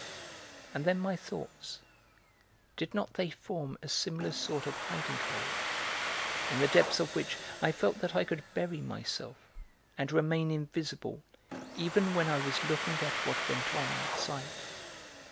And then my thoughts, did not they form a similar sort of hiding hole, in the depths of which I felt that I could bury myself and remain invisible even when I was looking at what went on outside?